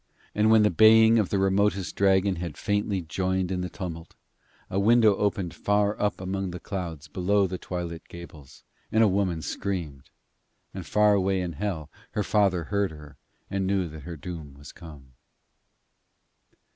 And when the baying of the remotest dragon had faintly joined in the tumult, a window opened far up among the clouds below the twilit gables, and a woman screamed, and far away in Hell her father heard her and knew that her doom was come.